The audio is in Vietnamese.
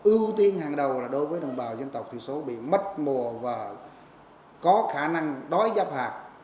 ưu tiên hàng đầu là đối với đồng bào dân tộc thiểu số bị mất mùa và có khả năng đói giáp hạt